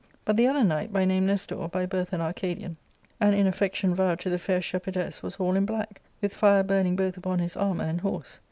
But the other knight, by name Nestor, by birth an Arcadian, and in affection vowed to the fair shepherdess, was all in black, with fire burning both upon his armour and horse.